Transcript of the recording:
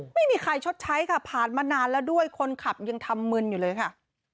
ไม่มีใครชดใช้ค่ะผ่านมานานแล้วด้วยคนขับยังทำมึนอยู่เลยค่ะ